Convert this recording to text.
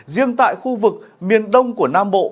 riêng tại khu vực miền đông của nam bộ